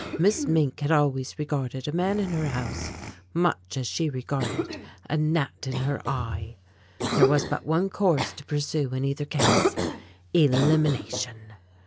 Miss Mink had always regarded a man in her house much as she regarded a gnat in her eye. There was but one course to pursue in either case elimination!